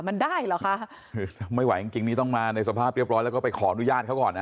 มันได้เหรอคะคือไม่ไหวจริงจริงนี่ต้องมาในสภาพเรียบร้อยแล้วก็ไปขออนุญาตเขาก่อนนะ